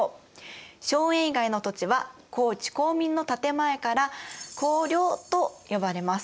荘園以外の土地は公地公民の建て前から公領と呼ばれます。